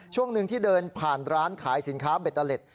ช่วงหนึ่งที่เดินผ่านร้านขายสินค้าเบตเตอร์เล็ต